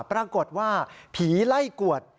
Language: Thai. ปรากฏว่าผีไล่กวด